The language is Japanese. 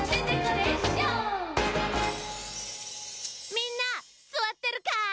みんなすわってるかい！